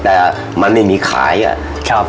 แต่มันไม่มีขายอะ